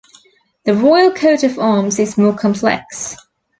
The Royal Coat of Arms is more complex.